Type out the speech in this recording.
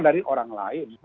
dari orang lain